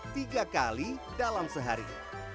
tiga kali dalam sehari